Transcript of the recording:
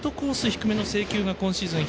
低めの制球が今シーズン